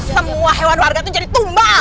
semua hewan warga tuh jadi tumbal